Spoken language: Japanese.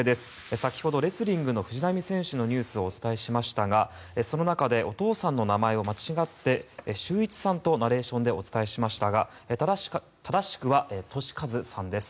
先ほどレスリングの藤波選手のニュースをお伝えしましたがその中でお父さんの名前を間違ってシュウイチさんとナレーションでお伝えしましたが正しくはトシカズさんです。